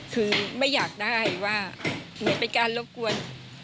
คือไม่อยากได้ว่ามันเป็นการรบกวน